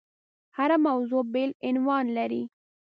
هره موضوع بېل عنوان لري.